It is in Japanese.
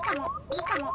いいかも」。